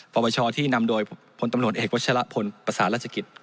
พบชที่นำโดยผลตำรวจเอกวจฉละผลภาษาราชกิจ